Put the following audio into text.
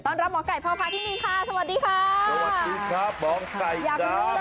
รับหมอไก่พ่อพาที่นี่ค่ะสวัสดีค่ะสวัสดีครับหมอไก่ครับ